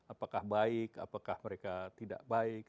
apakah baik apakah mereka tidak baik